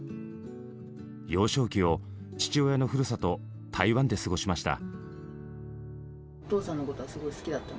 幼少期を父親のふるさと台湾で過ごしました。